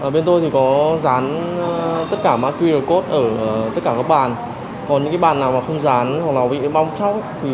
bên tôi có dán tất cả mạng qr code ở tất cả các bàn còn những bàn nào không dán hoặc bị bong chóc